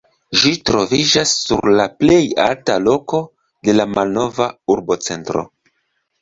Ĝi troviĝas sur la plej alta loko de la malnova urbocentro.